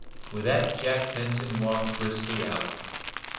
With that Jack Benson walked briskly out.